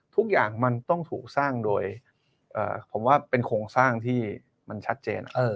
ทุกอย่างมันต้องถูกสร้างโดยผมว่าเป็นโครงสร้างที่มันชัดเจน